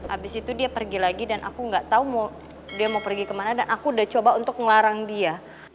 abis itu dia pergi lagi dan aku nggak tahu dia mau pergi kemana dan aku udah coba untuk ngelarang dia